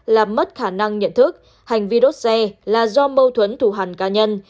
là mất khả năng nhận thức hành vi đốt xe là do mâu thuẫn thủ hẳn cá nhân